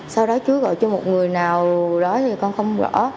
sau đó chúa gọi cho một người nào đó thì con không rõ